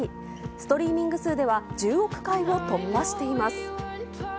ストリーミング数では１０億回を突破しています。